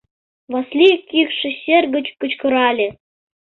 — Васлий кӱкшӧ сер гыч кычкырале.